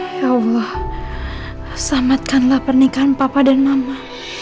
ya allah selamatkanlah pernikahan papa dan mama